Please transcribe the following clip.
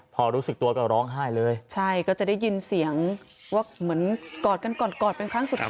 พอรู้สึกตัวก็ร้องไห้เลยใช่ก็จะได้ยินเสียงว่าเหมือนกอดกันกอดกอดเป็นครั้งสุดท้าย